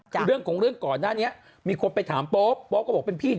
คือเรื่องของเรื่องก่อนหน้านี้มีคนไปถามโป๊ปโป๊ปก็บอกเป็นพี่